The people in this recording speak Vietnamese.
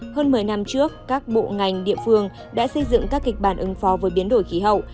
hơn một mươi năm trước các bộ ngành địa phương đã xây dựng các kịch bản ứng phó với biến đổi khí hậu